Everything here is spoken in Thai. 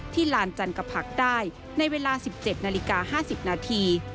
ลานจันกผักได้ในเวลา๑๗นาฬิกา๕๐นาที